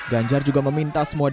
ganjar juga meminta semua dpr